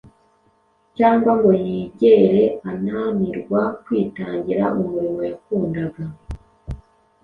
cyangwa ngo yigere ananirwa kwitangira umurimo yakundaga.